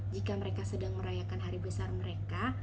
jika mereka sedang merayakan hari besar mereka